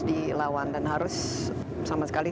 dilawan dan harus sama sekali